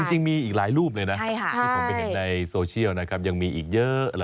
จริงมีอีกหลายรูปเลยนะที่ผมไปเห็นในโซเชียลนะครับยังมีอีกเยอะ